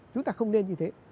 chúng ta không nên như thế